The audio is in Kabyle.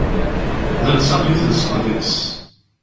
D alsaq i telseq deg-s.